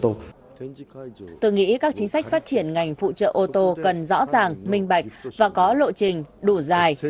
tôi nghĩ các chính sách phát triển ngành phụ trợ ô tô cần rõ ràng minh bạch và có lộ trình đủ dài